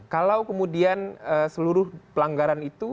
kalau kemudian seluruh pelanggaran itu